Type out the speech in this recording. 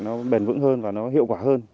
nó bền vững hơn và nó hiệu quả hơn